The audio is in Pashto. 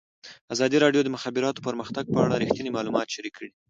ازادي راډیو د د مخابراتو پرمختګ په اړه رښتیني معلومات شریک کړي.